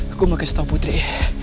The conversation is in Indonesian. aku mau kasih tau putri